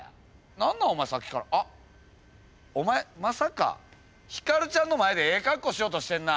何なんお前さっきからあっお前まさかヒカルちゃんの前でええかっこしようとしてんな。